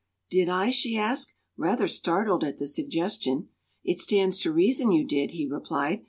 "Did I?" she asked, rather startled at the suggestion. "It stands to reason you did," he replied.